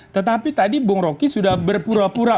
tetapi tadi bung roky sudah berpura pura